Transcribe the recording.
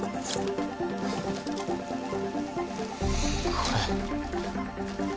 これ。